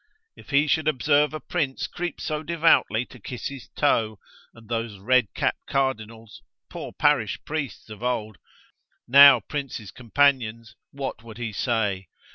If he should observe a prince creep so devoutly to kiss his toe, and those red cap cardinals, poor parish priests of old, now princes' companions; what would he say?